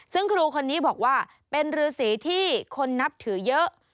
ซึ่งครูคนนี้บอกว่าเป็นฤษีที่คนนับถือเยอะ